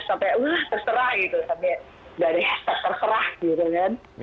sampai wah terserah gitu sampai dari terserah gitu kan